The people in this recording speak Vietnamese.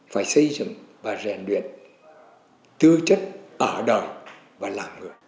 phải xây dựng và rèn luyện tư chất ở đời và làm người